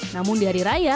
namun di hari raya